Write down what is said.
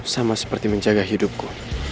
sama seperti menjaga hidupku